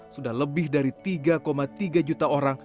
sudah lebih dari tiga tiga juta orang